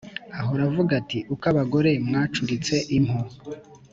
Ahora avuga ati Uko abagore mwacuritse impu,